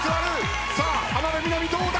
浜辺美波どうだ！？